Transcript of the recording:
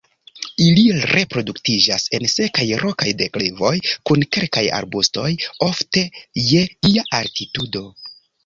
Ili reproduktiĝas en sekaj rokaj deklivoj kun kelkaj arbustoj, ofte je ia altitudo.